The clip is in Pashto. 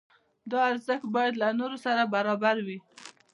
دا ارزښت باید له نورو سره برابر وي.